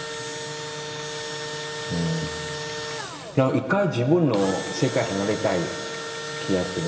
一回自分の世界離れたい気がするね。